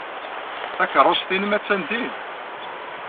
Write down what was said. Takeṛṛust-nnem attan din.